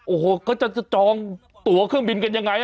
โอ้โหเขาจะจองตัวเครื่องบินกันยังไง